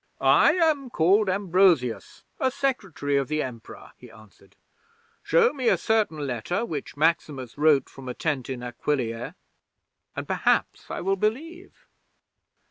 '"I am called Ambrosius, a secretary of the Emperor," he answered. "Show me a certain letter which Maximus wrote from a tent at Aquileia, and perhaps I will believe."